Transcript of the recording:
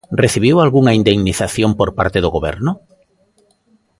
Recibiu algunha indemnización por parte do Goberno?